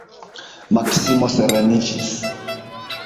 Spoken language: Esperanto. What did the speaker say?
Maksimo sereniĝis.